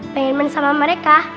pengen main sama mereka